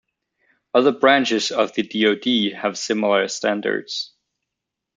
Other branches of the DoD have similar standards.